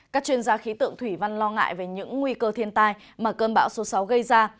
các chuyên gia khí tượng thủy văn lo ngại về những nguy cơ thiên tai mà cơn bão số sáu gây ra